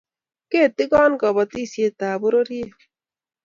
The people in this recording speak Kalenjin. Ketikon kapatisiet ab pororiet